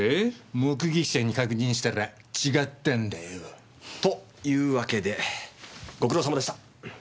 目撃者に確認したら違ったんだよ。というわけでご苦労様でした。